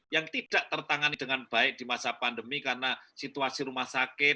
yang tidak tertangani dengan baik di masa pandemi karena situasi rumah sakit